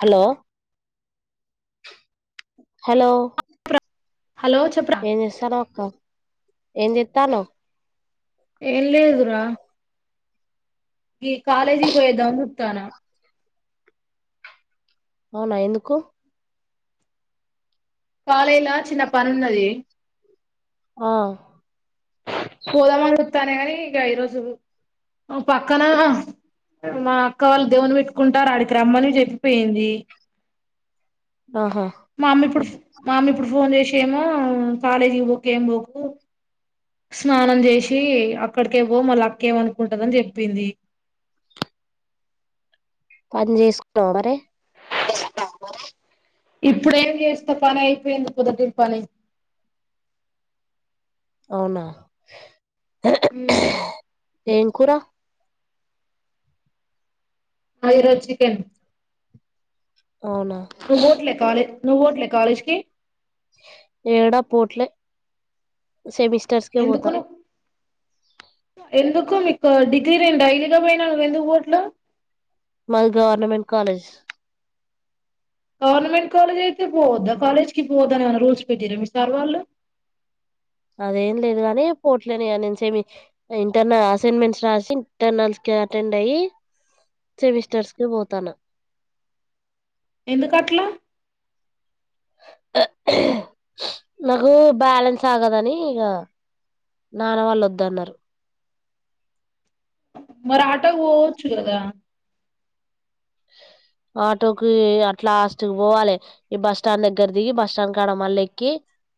[inaudible] Hello hello hello చెప్పురా ఏం చేస్తానావ్ అక్కా ఏం జేత్తానావ్ ఏం లేదురా ఈ కాలేజీకి పోయొద్దాం అన్ చూత్తాన్నా అవునా ఎందుకు కాలేజీల చిన్న పనున్నది ఆ పోదామా అని చూత్తానా గాని ఇక ఈరోజు పక్కన మా అక్క వాళ్ళు దేవుని పెట్టుకుంటారు అడికి రమ్మని చెప్పి పోయింది ఆహా మా అమ్మిప్పుడు మా అమ్మిప్పుడు ఫోన్ చేసి కేమో కాలేజీ కి పోకు ఏం పోకు స్నానం చేసి అక్కడికే పో మళ్ళ అక్కేమనుకుంటాదని చెప్పింది పని చేసుకోవా మరి ఇప్పుడేం చేస్తా పని అయిపోయింది పొద్దటి పని అవునా ఉమ్, ఏం కూర ఈరోజు చికెన్ అవునా ను పోవట్లే కాలేజ్ నువ్వు పోవట్లే కాలేజ్కి ఏడా పోట్లే సెమిస్టర్స్ కే పోత ఎందుకు కో మీకు డిగ్రీ రేం డైలీగా పోయినా నువ్ ఎందుకు పోవట్లు మాది గవర్నమెంట్ కాలేజ్ గవర్నమెంట్ కాలేజ్ అయితే పోవద్దా కాలేజ్ కి పోవద్దని ఏమైనా రూల్స్ పెట్టిర్రా మీ సార్ వాళ్ళు అదేం లేదు గాని పోవట్లే [unintelligible] ఇంటర్నల్ అసైన్మెంట్స్ రాసి ఇంటర్నల్స్ కి అటెండ్ అయి సెమిస్టర్స్ కి పోతాన్నా ఎందుకట్ల నాకు బ్యాలెన్స్ ఆగదని ఇగ నాన్న వాళ్ళు వద్దన్నారు మరి ఆటోకి పోవచ్చు కదా ఆటో కి అట్లాస్ట్ కి పోవాలే ఈ బస్ స్టాండ్ దగ్గర దిగి బస్ స్టాండ్ కాడ మళ్ళ ఎక్కి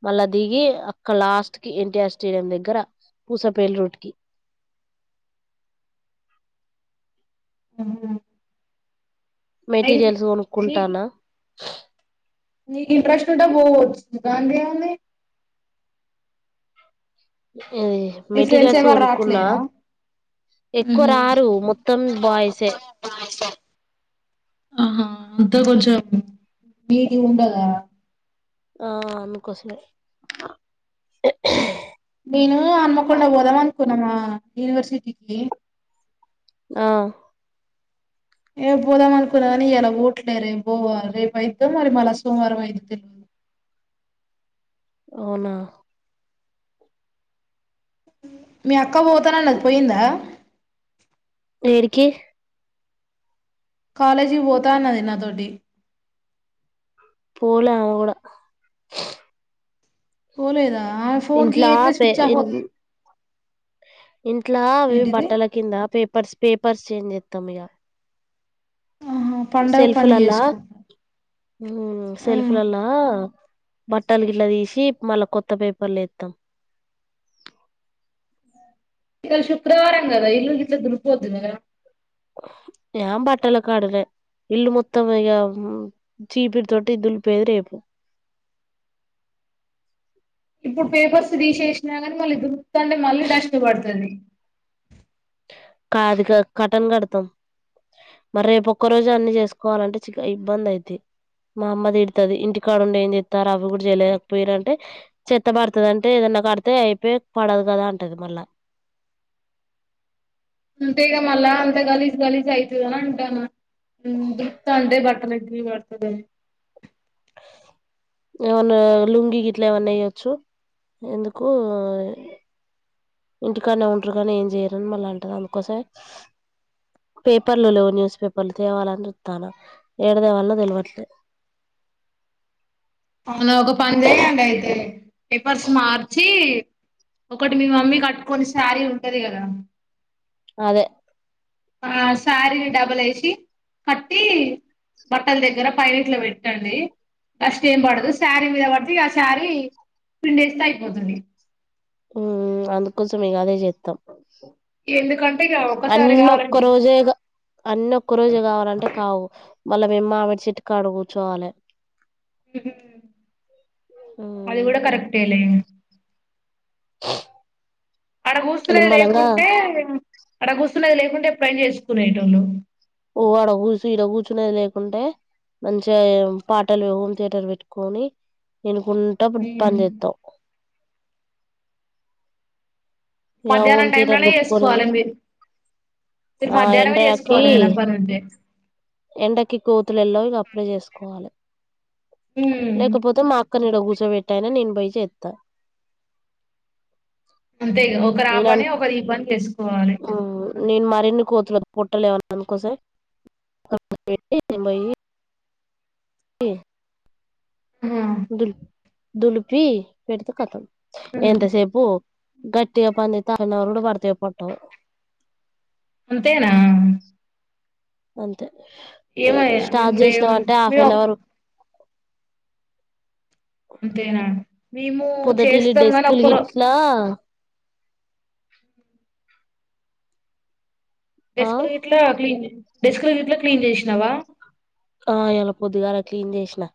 మళ్ళ దిగి అక్కడ లాస్ట్ కి ఎన్టీఆర్ స్టేడియం దగ్గర పూసపేలి రూట్ కి [unintelligible] అయి మెటీరియల్స్ నీ కొనుక్కుంటాన్న్ నీకు ఇంట్రెస్ట్ ఉంటే పోవచు దండెంవుంది మీ ఫ్రెండ్స్ మెటీరియల్స్ ఎవరు కొనుక్కున్నా రాట్లేరా ఎక్కువ ఉహు రారు మొత్తం బాయ్సే ఆహా అంత కొంచం మీకి ఉండదా ఆ అందుకోసమే నేను అమ్మకుండ పోదాం అనుకు మన యూనివర్సిటీ కి ఆ ఏ పోదాం అనుకున్నా కాని ఇయాలపోవట్లే రేపు పోవాల రేపు అయితే మరి మళ్ళ సోమవారం అయిదు అవున అ మీ అక్క పోతానన్నది పోయిందా యేడికి కాలేజీ పోతాన్నది నాతోటి పోల అమే కూడా పోలేద ఇంట్ల పే ఇంట్ల అవి ఏంటిది బట్టల కింద పేప్ పర్స్ పేపర్స్ చేంజ్ చేతం ఇగ ఆహా పండగ సెల్ఫ్ పని లల్ల చేసుకుంటా సెల్ఫ్ లల్ల బట్టలు గిట్ల తీసి మళ్ళా కొత్త పేపర్లు ఏతం ఈరోజు శుక్రవారం గద ఇల్లు గిట్ల దులుపుపోదు కదా ఏం బట్టల కాడక ఇల్లు మొత్తం ఇక చీపిరీ తొటి ధూళిపేది రేపు ఇప్పుడు పేపర్స్ తీసేసి నిర్మల్ కానీ మళ్ళీ డస్ట్ పడుతుంది కాదు కటన్ కడతాం మరి రేపు ఒక్క రోజు అన్ని చేసుకోవాలంటే ఇబ్బంది అయిది మా అమ్మ తిడతది ఇంటికాడ ఉండేం ఏంచేస్తార్ అవి కూడా చేయలేకపోయరంటే చెత్త పడుతది అంటే ఏదన్నా కడితే అయిపోయి పడదు కదా అంటది మళ్ళా అంతేగ మల్ల అంత గలీజ్ గలీజ్ అయితునా అంటానా దులుపు తంటే బట్టలకి బడుతుదనీ ఏవన్నా లుంగి గిట్లా ఏమన్నా య్యొచ్చు ఎందుకు ఇంటికనే ఉంటరు కానీ ఏం చేయరుని మళ్ళీ అంటది అందుకోసమే పేపర్లు లేవు న్యూస్ పేపర్లు తేవాలని చుత్తన ఎడతెవల్నో తెలివట్లేదు అవును ఒక పని చెయండి అయితే పేపర్స్ మార్చి ఒకటి మీ మమ్మీ కట్టుకొని శారీ ఉంటది కదా అదే ఆ శారీని డబుల్ ఏసీ కట్టి బట్టల్ దగ్గర పైనట్లో పెట్టండి బస్ ఏంబడదు శారీ మీద బడితే ఇఆ శారీ పిన్డేస్తే అయిపోతుంది మ్ అందుకోసం ఇగ అదే జేత్తాం. ఎందుకు అన్నొక్క రోజేగా అన్నొక్క రోజే కావాలంటే కావు మళ్ళా మేమ్ మామిడి చెట్టుకాడ గూర్చోవాలే. అది మ్మ్ గూడా కరెక్టేలే [unintelligible] అడగూసులే నిమ్మలంగా లేకుంటే అడగుస్ కునేది లేకుంటే ఎప్పుడైనా చేస్కునేటోళ్ళు ఓ ఆడ గూర్సు ఈడ గూర్చునేది లేకుంటే మంచిగా పాటలు హోమ్ థియేటర్ పెట్టుకొని ఇను గుంట ఉమ్. [unintelligible] చెత్తావ్ ఇగ మధ్యానం హోమ్ టైం థియేటర్ లోనే పెట్టుకొని జేస్కోవాలి ఉంటే మీరు, మీరు ఆ మధ్యానమే ఎండకి చేస్కోవాలి ఏమైనా పనుంటే ఎండకి కోతులెళ్ళవు అప్పుడే చేస్కోవాలె ఉమ్. లేకపోతే మా అక్కనీడ కూస్ నువెట్టయినా నేను బోయ్ చేప్త అంతేగా ఒకరా పనే ఒకరూ ఈ పని చేస్కోవాలె రెండు కోతులకు పొట్టలు లేవు అందుకోసం [unintelligible] [unintelligible] ఆ దుల్ దులిపి, పెడితే కతం ఉమ్ ఎంతసేపు గట్టిగా పని చేస్తే వన్ అవర్ కూడా పడాతాయో పట్టవో అంతేనా అంతే ఏమయ్యా నేన్ స్టార్ట్ చేసినావంటే [unintelligible] హాఫ్ అన్ అవర్ అంతేనా మేము పొద్దుటిల్లి చేస్తామ్గాని డెస్కులు ఒక్కరో గిట్లా ఆ డస్కులు గిట్లే ఆపి ఉంది డెస్క్ లు గిట్లా క్లీన్ చేసినావా ఆ ఏలా పొద్దిగాలా క్లీన్ జేసినా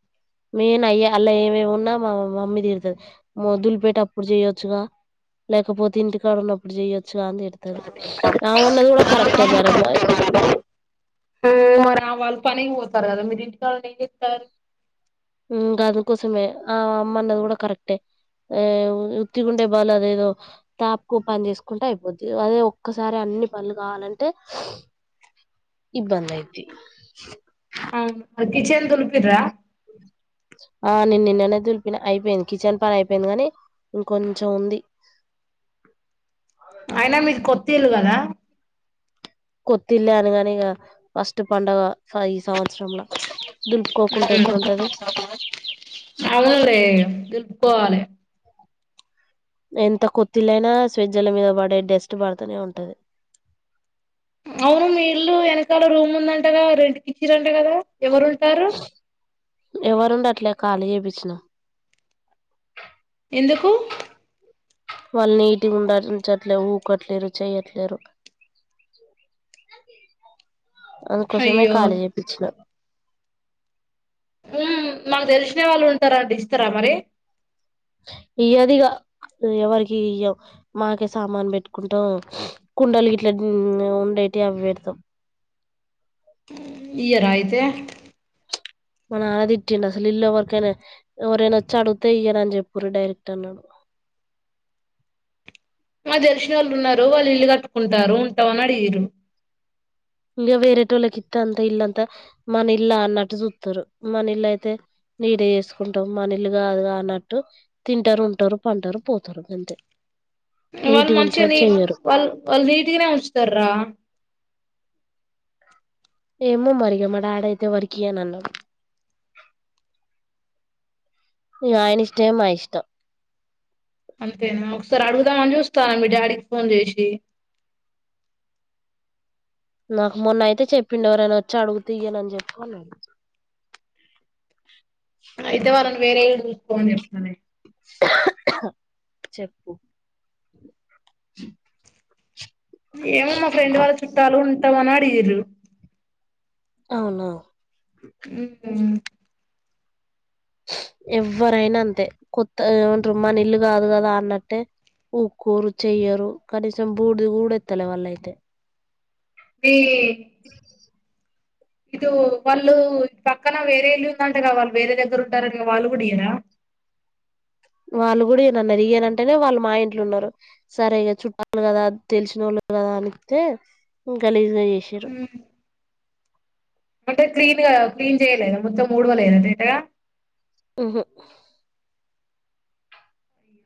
మేనయ్యా అల్లా ఏమేమిన్నా మా మమమ్మీ తిరతది మొదులు పెట్టి అప్పుడు చెయొచ్చుగా, లేకపోతే ఇంటికాడున్నప్పుడు చెయ్య చ్చుగా అన్ తిడతది ఆమన్నది గూడ కరె మరేమో [unintelligible] మిరి తావ ఎం జుతారు సుమే ఆ అమ్మన్నది గూడ కరెక్టే ఏ ఉత్తిగుండే బలదేదో తాప్కు పని జేస్కుంటే అయ్ పోద్ది అదే ఒక్కసారే అన్ని పన్లు గావాలంటే ఇబ్బందయ్యిద్ది. అవును ఆ కిచెన్ తులిపిర్రా? ఆ నేన్ నిన్ననే దుల్పిన అయిపోయింది కిచెన్ పనయిపోయింది గానీ ఇంకొంచెం ఉంది. అయినా మీకు కొత్ తిలు కదా కొత్తిల్లే అనగాని ఇగా ఫస్ట్ పండగ ఫై సంవత్సరంలా దులుపుకోకుంటె ఎట్లుంటది దులుపుకోవాలే ఎంత కొత్తిలైనా స్విట్జల మీద పడే డెస్ట్ పడతానే ఉంటది అవును మీ ఇల్లు వెనకాల రూమ్ ఉందంటగా రెంట్కిచిర్రు ట గదా ఎవరుంటారు ఎవరుండట్లే ఖాళీ జేపిచ్చినం ఎందుకు? వాళ్ళు నీటిగా ఉండించట్లే ఊకట్లేరు చెయ్యట్లేరు అందుకోసమే అయ్యో ఖాళీ జేపిచ్చినా హ్మ్ మాకు తెలిసిన వాళ్ళు ఉంటార ఇస్తరా మరి ఇయ్యదిగా ఎవరికి ఇయ్యం మాకే సామాన్ పెట్టుకుంటాం కుండలు గిట్లా ఉండేటి అవి పెడతాం ఈయరా అయితే మా నాన్న దిట్టిండు అసలు ఇల్లు ఎవరికైనా ఎవరైనా వచ్చి అడిగితే ఇయ్యర అని చెప్పరు డైరెక్ట్ అన్నాడు మా దెలిసినోళ్ళు ఉన్నారు వాళ్ళు ఇల్లు కట్టుకుంటారు ఉంటామని అడిగిర్రు ఇంగా వేరేటోళ్ళకి ఇత్తే అంతే ఇల్లంతా మన ఇల్లా అన్నట్టు జూత్తారు మన ఇల్లు అయితే నీటి చేసుకుంటాం మన ఇల్లు కాదు గా అన్నట్టు తింటారు ఉంటారు పంటారు పోతారు గంతే వాళ్ళు నీటిగా మంచిగా ఉంచరు నీ చెయ్యరు వాళ్ళు వాళ్ నీటిగానే ఉంచుతార రా ఏమో మరి ఇగా మా డాడ్ అయితే ఎవ్వరికి ఈయనన్నాడు ఇగా ఆయనిష్టమే మా ఇష్టం అంతేనా ఒకసారి అడుగుదామని చూస్తానా మీ డాడీకి ఫోన్ చేసి నాకు మొన్న అయితే చెప్పిండ ఎవరనా వచ్చి అడుగితే ఈయనని చెప్పు అన్నాడు. అయితే వాళ్ళని వేరే ఏళ్ళు చూసుకోమని చెప్తాంది చెప్పు ఏమో మా ఫ్రెండ్ వాళ్ళ చుట్టాలు తమన్ అడిగిరు అవునా హ్మ్ మ్ ఎవ్వరైనా అంతే కొత్త ఏమంటారు మన ఇల్లు కాదు కదా అన్నట్టే ఊక్కోరు, చెయ్యరు, కనీసం బూడిది గూడెత్తలే వాళ్ళయితే. ఇదో వాళ్ళు పక్కన వేరే ఇల్లు ఉందంట కద. వాళ్ళు వేరే దగ్గర ఉంటారట గదా వాళ్ళు కూడా ఇయ్యరా వాళ్ళు కూడా ఇయానన్నారు. ఇయానంటేనే వాళ్ళు మా ఇంట్లో ఉన్నారు. సరే చుట్టాలు కదా తెలిసినోళ్ళు కదా అని పిలితే గలీజు చిరు అంటే క్లీన్గా క్లీన్ చేయలేదా మొత్తం ఊడవలేదంట కాద ఉహు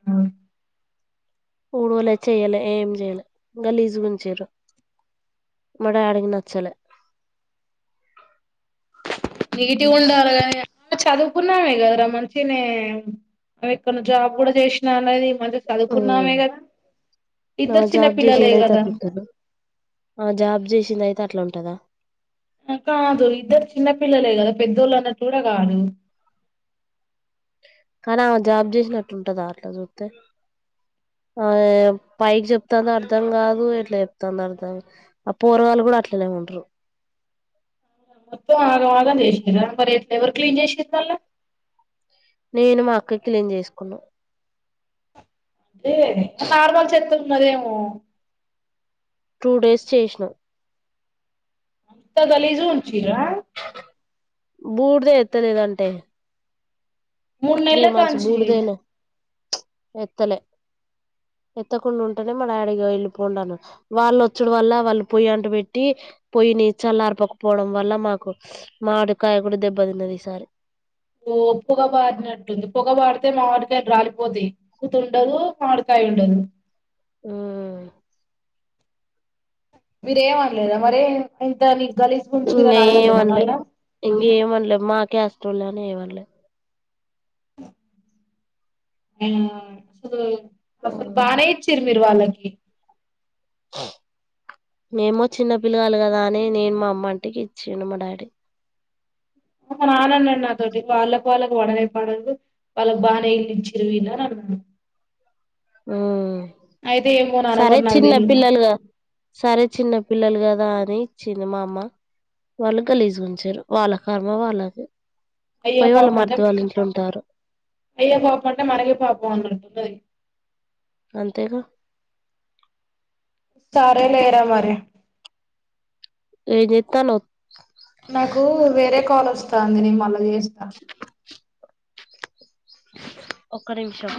హ్మ్ ఊడవలే చెయలే ఏం చెయ్యలే గలీజుగుంచారు. మా డాడీకి నచ్చలే నీట్ గు ఉండాలి గానీ ఆమె చదువుకున్నామే కదరా మంచిగానే కొన్ని జాబ్ కూడా చేసినా అన్నది. ఉ ఆ ఇద్దరు చిన్న జాబ్ పిల్లలే చేసింది అయితే కదా అట్లుంటదా ఆ జాబ్ చేసింది అయితే అట్లుంటదా ఆ కాదు ఇద్దరు చిన్న పిల్లలే గద పెద్దోళ్ళు అన్నట్టు కూడ కాదు కానీ ఆమె జాబ్ చేసినట్టు ఉంటద అట్లా చూత్తే ఆవె పైకి చెప్తాందా అర్థం కాదు ఇట్లా చెప్తుందా అర్థం కా ఆ పోరగాళ్లు కూడా అట్లనే ఉంటరు మొత్తం ఆగం ఆగం చేసిరా మరి ఎవరు క్లీన్ చేసిర్రల్ల నేను మా అక్క క్లీన్ చేసుకున్నాం నార్మల్ చెత్తుల్ ఉన్నదేమో టూ డేస్ చేసిన త గలీజు ఉంచిరా బూడిదే ఎత్తలేదంటే మూడు త్రీ నెల్ల మంత్స్ కాంచి బూడిదేనే ఎత్తలే ఎత్తకుండా ఉంటేనే మా డాడి ఇగా వెళ్ళి పోండి అన వాళ్ళొచ్చడు వల్ల వాళ్ళు పొయ్యి అంట పెట్టి పొయ్యిని చల్లారిపోకపోవడం వల్ల మాకు మాడికాయ కూడా దెబ్బతిన్నది ఈసారి ఓప్పుగాబాదినాడు ఏంది పొగ వాడితే మామిడికాయలు రాలిపోతయి పూత ఉండదు మామిడికాయ ఉండదు ఆ మీరేమనలేదా మరి ఇంతది ఇంగేమనలే ఇంగేమనలే మా క్యాస్ వాళ్ళని ఏమనలే ఆ సో అప్పుడు ఆ బానే ఇచ్చిర్రు మీరు వాళ్లకి మేము చిన్న పిల్లగాలు కదా అని నేను మా అమ్మంటికి ఇచ్చిడు మా డాడీ మా నాన్న అన్నాడు నాతోటి వాళ్ళకు వాళ్ళకు పడనే పడదు వాళ్ళకు బాగానే ఇల్లు ఇచ్చిరు వీళ్ళు అని అన్నాడు ఆ అయితే ఏమో నాన్న సరే మరి నాకు చిన్న తెలీదు పిల్లలుగా సరే చిన్న పిల్లలు కదా అని ఇచ్చింది మా అమ్మ వాళ్ళు గలీజ్ గా ఉంచారు వాళ్ళ కర్మ వాళ్ళకు అయ్యో పాపంమాటం ఉంటారు అయ్య పాపంమాట మనగ పాపం అంటతు ఉంటది అంతేగా సారే లేరా మరి ఏం చేతనావ్ నాకు వేరే కాల్ వస్తాంది నేను మల్లచెస్తా క ఒక్క నిమిషం